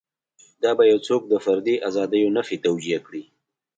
دا به یو څوک د فردي ازادیو نفي توجیه کړي.